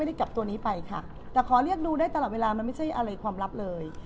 ได้กลับตัวนี้ไปค่ะแต่ขอเรียกดูได้ตลอดเวลามันไม่ใช่อะไรความลับเลย